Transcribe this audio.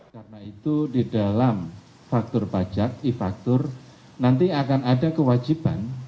karena itu di dalam faktur pajak e faktur nanti akan ada kewajiban